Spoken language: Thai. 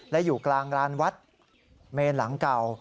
และอยู่กลางรานวัดเมนหลังเก่า